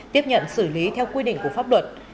tiếp nhận xử lý theo quy định của pháp luật